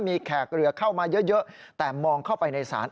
มีแขกเรือเข้ามาเยอะแต่มองเข้าไปในศาล